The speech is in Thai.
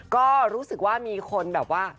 ก็รู้สึกว่ามีคนแบบว่า